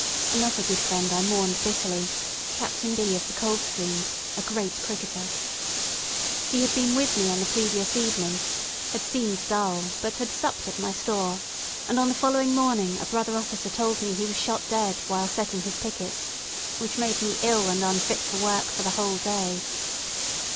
Another good friend I mourned bitterly Captain B , of the Coldstreams a great cricketer. He had been with me on the previous evening, had seemed dull, but had supped at my store, and on the following morning a brother officer told me he was shot dead while setting his pickets, which made me ill and unfit for work for the whole day.